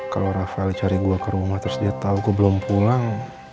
kalau rafael cari gue ke rumah terus dia tahu gue belum pulang